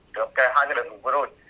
được kể hai giây lần vừa rồi